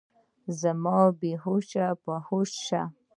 ایا زما بې هوښي به ښه شي؟